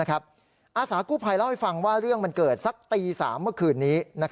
อาสากู้ภัยเล่าให้ฟังว่าเรื่องมันเกิดสักตี๓เมื่อคืนนี้